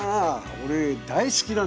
俺大好きなんだよな。